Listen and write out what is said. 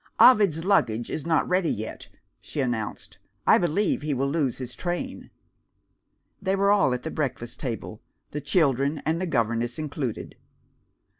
"Ovid's luggage is not ready yet," she announced; "I believe he will lose his train." They were all at the breakfast table, the children and the governess included.